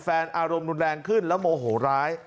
อารมณ์รุนแรงขึ้นแล้วโมโหร้าย